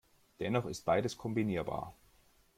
Dennoch ist beides kombinierbar.